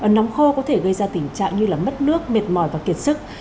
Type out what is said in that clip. nóng khô có thể gây ra tình trạng như là mất nước miệt mỏi và kiệt sức